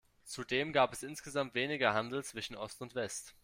Zudem gab es insgesamt weniger Handel zwischen Ost und West.